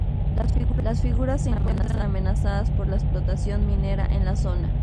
Las figuras se encuentran amenazadas por la explotación minera en la zona.